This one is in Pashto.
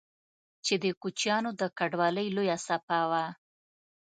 چې د کوچيانو د کډوالۍ لويه څپه وه